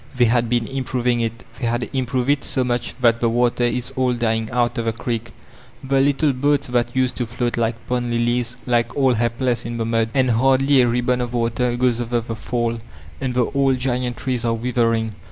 They had been improving it! they had improved it so mudi that the water is all dying out of the creek; the little boats that used to float like pond lilies lie all he^ less in the mud, and hardly a ribbon of water goes over the fall, and the old giant trees are withering.